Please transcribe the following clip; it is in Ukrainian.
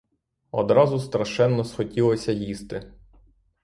Одразу страшенно схотілося їсти.